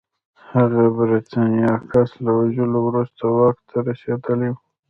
هغه پرتیناکس له وژلو وروسته واک ته رسېدلی و